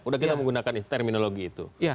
udah kita menggunakan terminologi itu